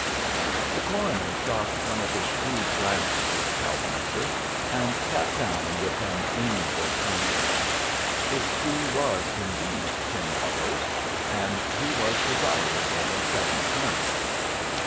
The coroner shot one of his shrewd glances at the cow puncher, and sat down with an amiable countenance. His fee was, indeed, ten dollars; and he was desirous of a second term.